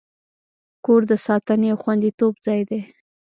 کور د ساتنې او خوندیتوب ځای دی.